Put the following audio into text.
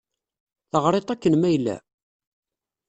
Teɣṛiḍ-t akken ma yella?